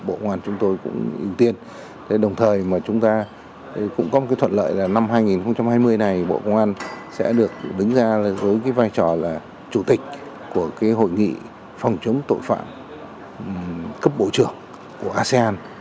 bộ ngoan chúng tôi cũng ưu tiên đồng thời mà chúng ta cũng có một thuận lợi là năm hai nghìn hai mươi này bộ công an sẽ được đứng ra với cái vai trò là chủ tịch của hội nghị phòng chống tội phạm cấp bộ trưởng của asean